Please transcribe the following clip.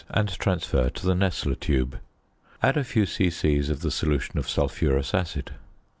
and transfer to the Nessler tube. Add a few c.c. of the solution of sulphurous acid.